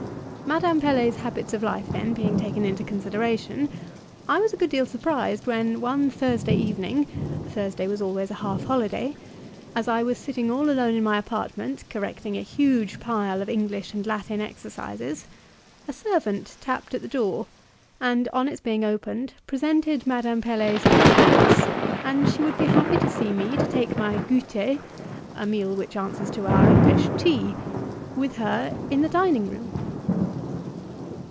Madame Pelet's habits of life, then, being taken into consideration, I was a good deal surprised when, one Thursday evening (Thursday was always a half holiday), as I was sitting all alone in my apartment, correcting a huge pile of English and Latin exercises, a servant tapped at the door, and, on its being opened, presented Madame Pelet's compliments, and she would be happy to see me to take my "gouter" (a meal which answers to our English "tea") with her in the dining room.